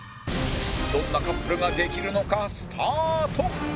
どんなカップルができるのかスタート